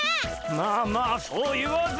まあまあそう言わずに。